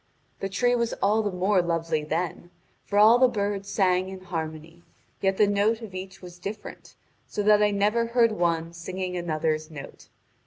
The tree was all the more lovely then, for all the birds sang in harmony, yet the note of each was different, so that I never heard one singing another's note.